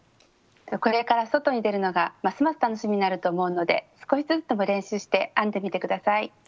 これから外に出るのがますます楽しみになると思うので少しずつでも練習して編んでみて下さい。